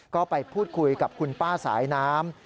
ก็ไปพูดคุยกับคุณป้าสายน้ำ